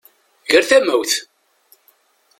Ger tamawt!